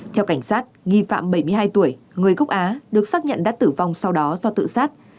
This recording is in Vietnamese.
theo cảnh sát nghi phạm bảy mươi hai tuổi người gốc á được xác nhận đã tử vong sau đó do tự sát